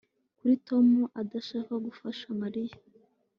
Kuki Tom adashaka gufasha Mariya